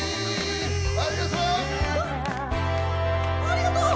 ありがとう！